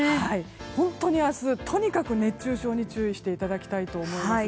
本当に明日、とにかく熱中症に注意していただきたいと思います。